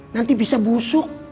nanti bisa busuk